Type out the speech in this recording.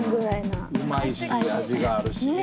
うまいし味があるし。ね！